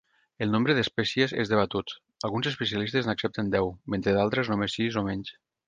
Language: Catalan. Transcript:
El nombre d'espècies és debatut, alguns especialistes n'accepten deu, mentre d'altres només sis o menys.